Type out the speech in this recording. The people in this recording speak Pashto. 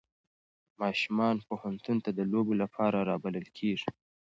ماشومان پوهنتون ته د لوبو لپاره رابلل کېږي.